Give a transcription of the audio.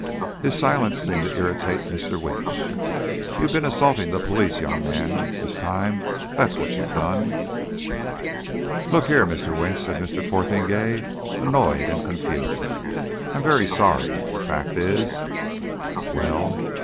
His silence seemed to irritate Mr. Winch. "You've been assaulting the police, young man, this time. That's what you done." "Look here, Mr. Winch," said Mr. Fotheringay, annoyed and confused, "I'm very sorry. The fact is " "Well?"